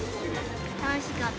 楽しかった。